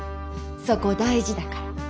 そこ大事だから。